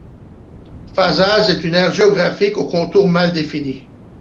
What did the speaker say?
Fazaz est une aire géographique aux contours mal définis.